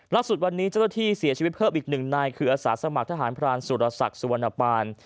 ล่าสุดวันนี้เจ้าหน้าที่เสียชีวิตเพิ่มอีกหนึ่งนายคืออาสาสมัครทหารพรานสุรศักดิ์สุวรรณปาน